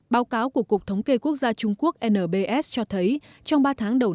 báo cáo của cục thống kê quốc gia trung quốc nbs cho thấy trong ba tháng đầu năm nay